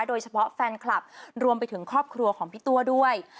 โดยเฉพาะแฟนคลับรวมไปถึงครอบครัวของพี่ตัวด้วย